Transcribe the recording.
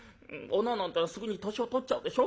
女なんてすぐに年を取っちゃうでしょ。